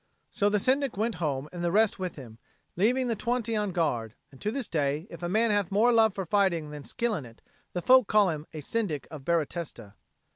So the Syndic went home and the rest with him, leaving the twenty on guard. And to this day, if a man hath more love for fighting than skill in it, folk call him a Syndic of Baratesta.